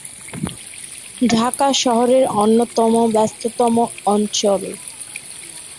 ঢাকা শহরের অন্যতম ব্যস্ততম অঞ্চল।